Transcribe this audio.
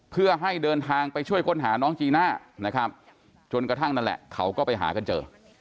เพื่อให้เดินทางไปช่วยค้นหาน้องจีน่านะครับจนกระทั่งนั่นแหละเขาก็ไปหากันเจอ